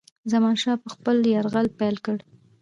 زمانشاه به خپل یرغل پیل کړي.